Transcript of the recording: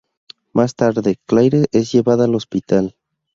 Más tarde, Claire es llevada al hospital.